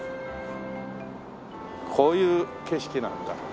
こういう景色なんだ。